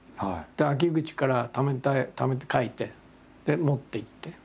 秋口からためて描いて。で持っていって。